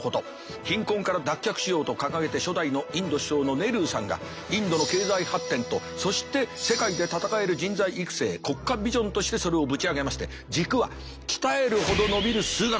貧困から脱却しようと掲げて初代のインド首相のネルーさんがインドの経済発展とそして世界で戦える人材育成国家ビジョンとしてそれをぶち上げまして軸は鍛えるほど伸びる数学だ